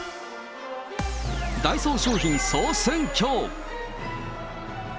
ダイソー商品総選挙。